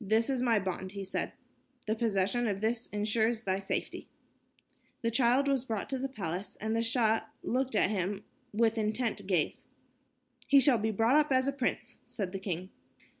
"This is my bond," he said. "The possession of this ensures thy safety." The child was brought to the palace, and the Shah looked at him with intent gaze. "He shall be brought up as a prince," said the king.